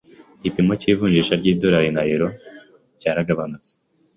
Igipimo cy’ivunjisha ry’idolari na euro cyaragabanutse.